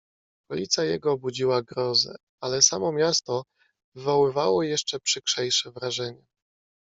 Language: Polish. "Okolica jego budziła grozę, ale samo miasto wywoływało jeszcze przykrzejsze wrażenie."